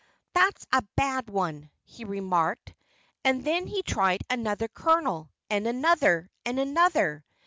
"That's a bad one!" he remarked. And then he tried another kernel and another and another.